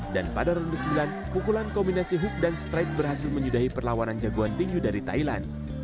dan pada ronde sembilan pukulan kombinasi hook dan straight berhasil menyudahi perlawanan jagoan petinju dari thailand